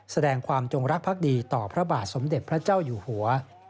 แสดงความจงรักภักดีต่อพระบาทสมเด็จพระเจ้าอยู่หัว